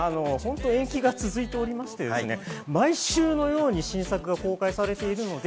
延期が続いていまして毎週のように新作が公開されています。